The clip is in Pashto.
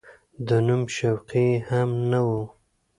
د نوم شوقي یې هم نه و.